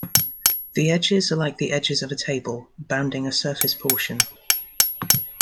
The edges are like the edges of a table, bounding a surface portion.